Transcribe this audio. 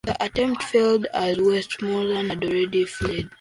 The attempt failed, as Westmorland had already fled.